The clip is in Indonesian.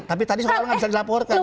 siapa yang bisa dilaporkan